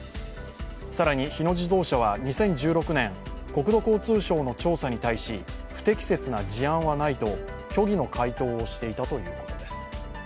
更に、日野自動車は２０１６年、国土交通省の調査に対し不適切な事案はないと虚偽の回答をしていたということです。